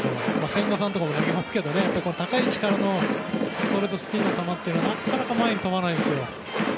千賀さんとかも投げますけど結構、高い位置からのストレートスピンの球はなかなか前に飛ばないんです。